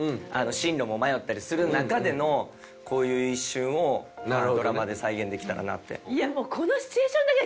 進路も迷ったりする中でのこういう一瞬をドラマで再現できたらなって。